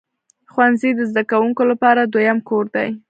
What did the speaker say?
ښوونځی د زده کوونکو لپاره دویم کور دی.